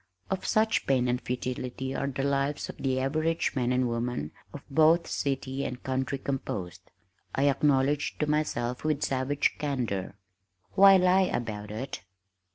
"Of such pain and futility are the lives of the average man and woman of both city and country composed," I acknowledged to myself with savage candor, "Why lie about it?"